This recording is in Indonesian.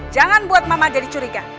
jangan buat mama jadi curiga